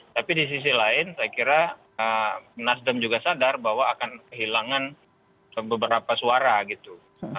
tapi di sisi lain saya kira nasdem juga sadar bahwa akan kehilangan beberapa suara gitu